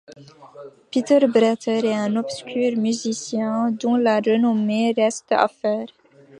Peter Bretter est un obscur musicien dont la renommée reste à faire.